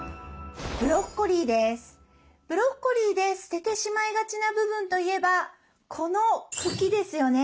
ブロッコリーで捨ててしまいがちな部分といえばこの茎ですよね。